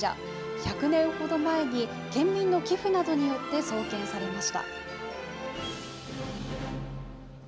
１００年ほど前に、県民の寄付などによって創建されました。